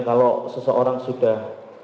kalau seseorang sudah